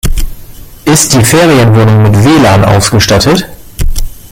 Ist die Ferienwohnung mit WLAN ausgestattet?